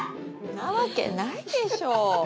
なわけないでしょ。